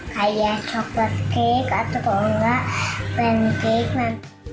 kayak chocolate cake atau kalau nggak pancake